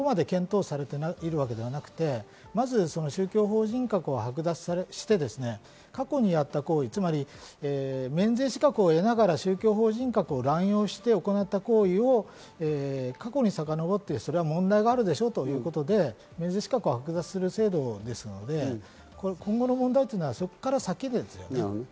今はまだそこまで検討されているわけではなくて、まず宗教法人格を剥奪して、過去にあった行為、つまり免税資格を得ながら宗教法人格を乱用して行った行為を過去にさかのぼって、それは問題があるでしょうということで、免税資格を剥奪する制度ですので、今後の問題はそこから先ですね。